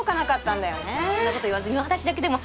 そんな事言わずにお話だけでも。